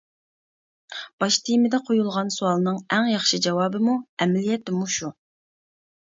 باش تېمىدا قويۇلغان سوئالنىڭ ئەڭ ياخشى جاۋابىمۇ ئەمەلىيەتتە مۇشۇ.